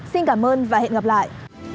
xin cảm ơn và hẹn gặp lại